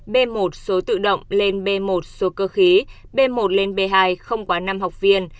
b một số tự động lên b một số cơ khí b một lên b hai không quá năm học viên